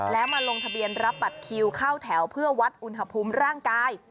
แล้วมาลงทะเบียนรับบัตรคิวเข้าแถวเพื่อวัดอุณหภูมิร่างกาย